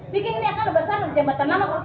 bikin ini akan lebih besar jembatan lama